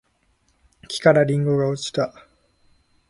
木からりんごが落ちた